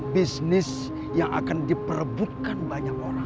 bisnis yang akan diperebutkan banyak orang